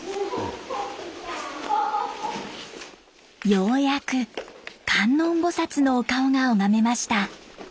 ようやく観音菩薩のお顔が拝めました。